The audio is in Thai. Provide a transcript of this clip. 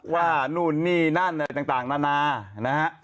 ว่านู่นนี่นั่นต่างนานา